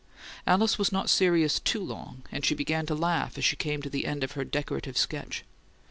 Alice was not serious too long, and she began to laugh as she came to the end of her decorative sketch.